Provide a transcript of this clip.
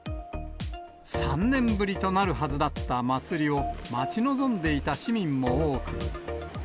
３年ぶりとなるはずだった祭りを待ち望んでいた市民も多く。